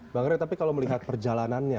bang ray tapi kalau melihat perjalanannya